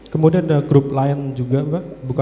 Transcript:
kemudian ada grup lain juga mbak